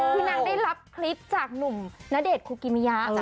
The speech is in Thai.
พี่นักได้รับคลิปจากหนุ่มนาเดชคุกมี่ยร์